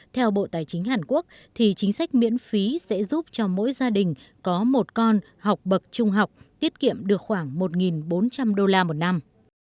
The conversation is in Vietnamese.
theo bộ tài chính hàn quốc thì chính sách miễn phí sẽ giúp cho mỗi gia đình có một con học bậc trung học tiết kiệm được khoảng một bốn trăm linh đô la một năm